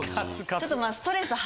ちょっと。